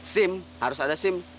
sim harus ada sim